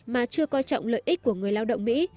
mà chưa coi trọng lợi ích của người lao động mỹ